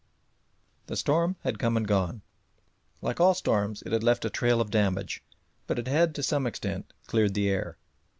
The storm had come and gone. Like all storms it had left a trail of damage, but it had to some extent cleared the air.